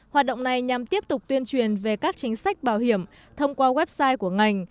hoạt động này nhằm tiếp tục tuyên truyền về các chính sách bảo hiểm thông qua website của ngành